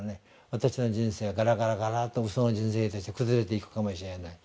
私の人生はガラガラガラとうその人生として崩れていくかもしれない。